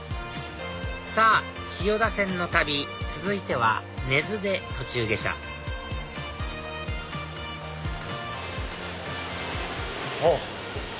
さぁ千代田線の旅続いては根津で途中下車おっ。